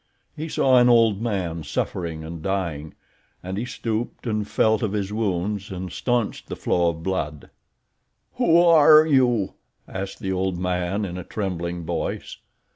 He saw an old man suffering and dying, and he stooped and felt of his wounds and stanched the flow of blood. "Who are you?" asked the old man in a trembling voice.